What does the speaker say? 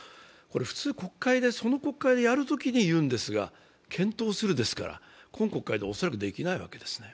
普通その国会でやるときに言うんですが、検討するですから、今国会で恐らくできないわけですね。